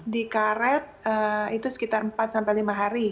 di karet itu sekitar empat sampai lima hari